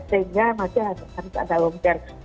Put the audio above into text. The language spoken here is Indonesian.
sehingga masih harus ada home care